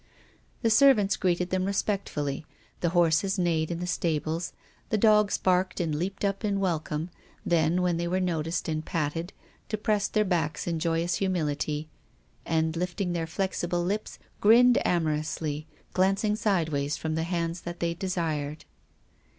The servants greeted them respectfully. The horses neighed in the stables. The dogs barked, and leaped up in welcome, then, when they were noticed and patted, depressed their backs in joyous humility, and, lifting their flexible lips, grinned amorously, glancing sideways from the hands that they desired.